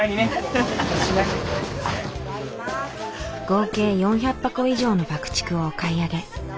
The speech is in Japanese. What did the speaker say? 合計４００箱以上の爆竹をお買い上げ。